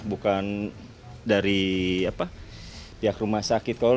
bukan dari pihak rumah sakit